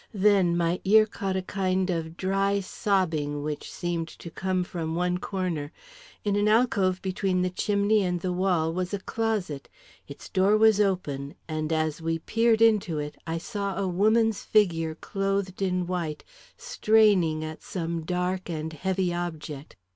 Then my ear caught a kind of dry sobbing, which seemed to come from one corner. In an alcove between the chimney and the wall was a closet. Its door was open and, as we peered into it, I saw a woman's figure clothed in white straining at some dark and heavy object.